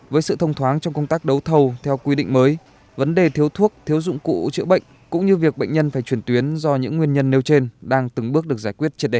với sự thông thoáng trong công tác đấu thầu theo quy định mới vấn đề thiếu thuốc thiếu dụng cụ chữa bệnh cũng như việc bệnh nhân phải chuyển tuyến do những nguyên nhân nêu trên đang từng bước được giải quyết triệt đề